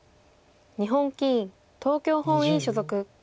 日本棋院東京本院所属。